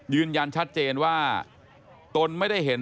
ยืนยันชัดเจนว่าตนไม่ได้เห็น